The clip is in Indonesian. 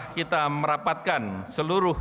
kita merapatkan seluruh